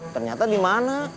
ternyata di mana